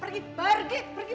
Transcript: pergi pergi pergi pergi